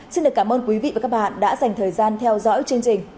xin được cảm ơn quý vị và các bạn đã dành thời gian theo dõi chương trình